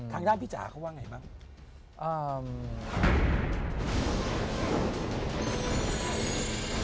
ทางด้านพี่จ๋าเขาว่าไงบ้าง